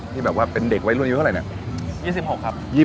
ที่แบบว่าเป็นเด็กไว้ร่วมอยู่เท่าไหร่เนี่ย